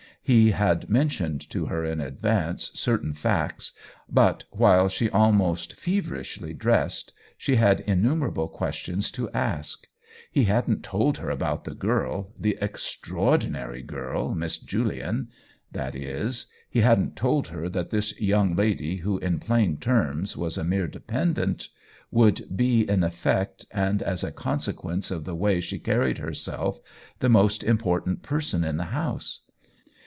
He had mentioned to her in advance certain facts, but while she almost feverishly dressed she had innumerable questions to ask. He hadn't told her about the girl, the extraordinary girl, Miss Julian — that is, he hadn't told her that this young lady, who in plain terms was a mere dependent, would be in effect, and as a consequence of the way she carried herself, the most OWEN WINGRAVE i8l important person in the house.